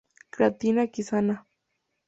Creatina quinasa